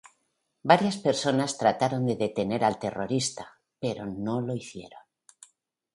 Varias personas trataron de detener al terrorista, pero no lo hicieron.